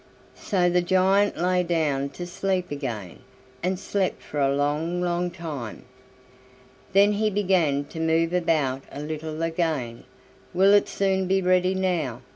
So the giant lay down to sleep again, and slept for a long, long time. Then he began to move about a little again. "Will it soon be ready now?"